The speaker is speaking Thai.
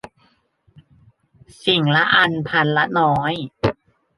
สิ่งละอันพันละน้อย